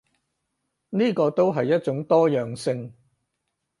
呢個都係一種多樣性